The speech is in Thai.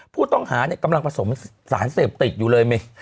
ผู้ต้องหาเนี่ยกำลังผสมสารเสพติดอยู่เลย